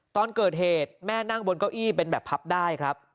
ตอนเกิดเหตุแม่นั่งบนเก้าอี้เป็นแบบพับได้ครับ